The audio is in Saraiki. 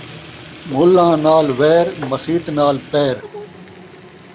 ملّاں نال وَیر ، مسیت ناں پیر